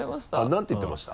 何て言ってました？